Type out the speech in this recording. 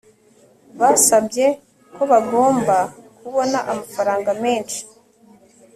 basabye ko bagomba kubona amafaranga menshi